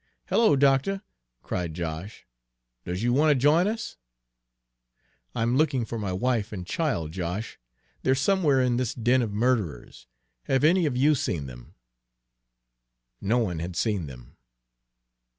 "Hello, doctuh!" cried Josh, "does you wan' ter jine us?" "I'm looking for my wife and child, Josh. They're somewhere in this den of murderers. Have any of you seen them?" No one had seen them.